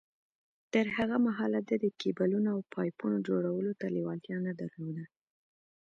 تر هغه مهاله ده د کېبلو او پايپونو جوړولو ته لېوالتيا نه درلوده.